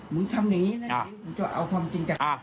มึงทำอย่างนี้พร้อมทำจริงจักร